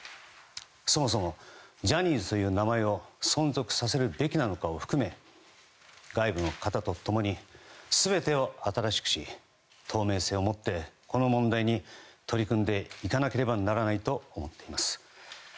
そもそもジャニーズという名前を存続させるべきなのかを含め外部の方と共に全てを新しくし透明性を持ってこの問題に取り組んでいかなければならないと思っております。